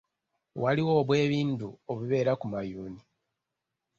Waliwo obwebindu obubeera ku mayuuni.